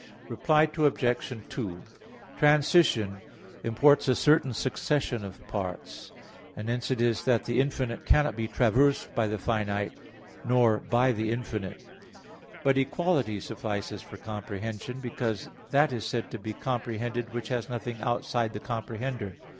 Reply Obj. 2: Transition imports a certain succession of parts; and hence it is that the infinite cannot be traversed by the finite, nor by the infinite. But equality suffices for comprehension, because that is said to be comprehended which has nothing outside the comprehender.